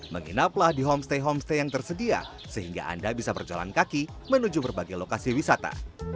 menginaplah di homestay homestay yang tersedia sehingga anda bisa berjalan kaki menuju berbagai lokasi wisata